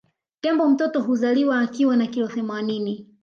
Tembo mtoto huzaliwa akiwa na kilo themaninini